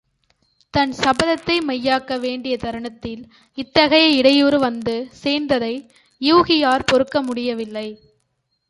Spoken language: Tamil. தன் சபதத்தை மெய்யாக்க வேண்டிய தருணத்தில் இத்தகைய இடையூறு வந்து சேர்ந்ததை யூகியாற் பொறுக்க முடியவில்லை.